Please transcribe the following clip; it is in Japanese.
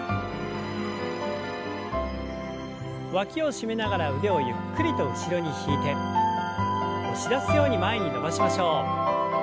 わきを締めながら腕をゆっくりと後ろに引いて押し出すように前に伸ばしましょう。